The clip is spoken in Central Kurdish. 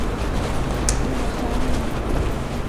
حەسەن باخەوان نییە.